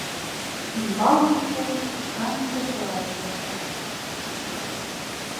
Ӱмбалныже — канде платье.